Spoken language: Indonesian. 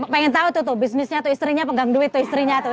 pengen tahu tuh tuh bisnisnya tuh istrinya pegang duit tuh istrinya tuh